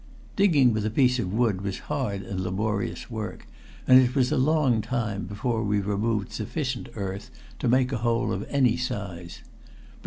Digging with a piece of wood was hard and laborious work and it was a long time before we removed sufficient earth to make a hole of any size.